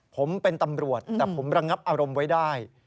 ผมเป็นตำรวจแต่ผมระงับอารมณ์ไว้ได้